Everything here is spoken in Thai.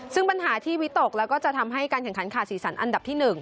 ซึ่งปัญหาที่วิตกแล้วก็จะทำให้การแข่งขันขาดสีสันอันดับที่๑